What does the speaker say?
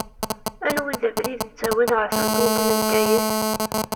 Anwa i d abrid ittawin ɣer temdint n Bgayet?